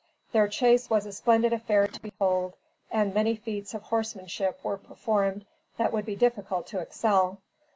The chase was a splendid affair to behold, and many feats of horsemanship were performed that would be difficult to excel.